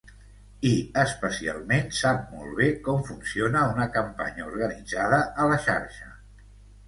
I, especialment, sap molt bé com funciona una campanya organitzada a la xarxa.